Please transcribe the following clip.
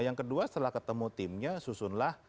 yang kedua setelah ketemu timnya susunlah